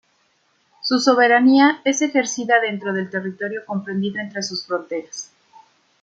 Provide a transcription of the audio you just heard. Su soberanía es ejercida dentro del territorio comprendido entre sus fronteras.